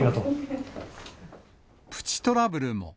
プチトラブルも。